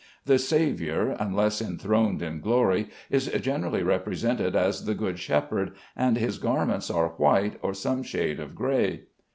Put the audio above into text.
The Saviour, unless enthroned in glory, is generally represented as the Good Shepherd, and his garments are white or some shade of gray.